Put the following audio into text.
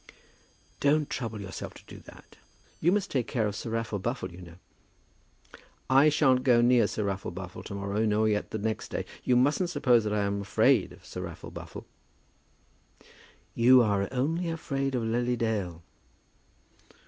"Don't trouble yourself to do that. You must take care of Sir Raffle Buffle, you know." "I shan't go near Sir Raffle Buffle to morrow, nor yet the next day. You mustn't suppose that I am afraid of Sir Raffle Buffle." "You are only afraid of Lily Dale."